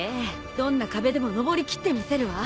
どんな壁でものぼり切ってみせるわ。